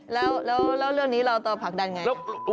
แล้วเรื่องนี้เราจะผลักดันไง